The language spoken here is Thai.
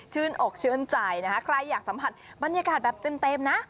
อกชื่นใจนะคะใครอยากสัมผัสบรรยากาศแบบเต็มนะ